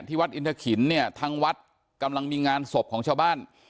วัดอินทะขินเนี่ยทางวัดกำลังมีงานศพของชาวบ้าน